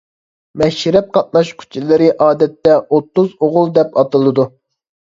مەشرەپ قاتناشقۇچىلىرى ئادەتتە «ئوتتۇز ئوغۇل» دەپ ئاتىلىدۇ.